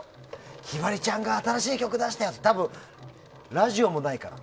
ひばりちゃんが新しい曲出したよって多分、ラジオもないから。